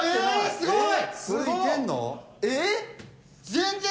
すごい！